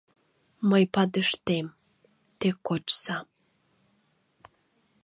Мый падыштем, те кочса!